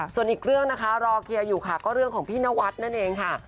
ส่วนอีกเรื่องนะคะรอเคลียร์อยู่ค่ะก็เรื่องของพี่นวัดนั่นเองค่ะ